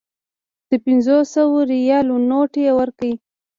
د پنځو سوو ریالو نوټ یې ورکړ.